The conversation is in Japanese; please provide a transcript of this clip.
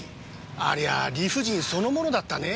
ありゃあ理不尽そのものだったねぇ。